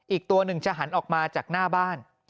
อีกตัวหนึ่งจะหันออกมาจากหน้าบ้าน